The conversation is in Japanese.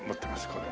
これ。